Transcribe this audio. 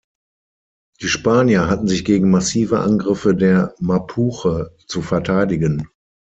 Die Spanier hatten sich gegen massive Angriffe der Mapuche zu verteidigen.